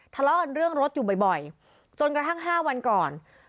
ทะเลาะกันเรื่องรถอยู่บ่อยจนกระทั่ง๕วันก่อน